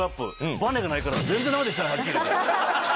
ばねがないから、全然だめでしたね、はっきりいって。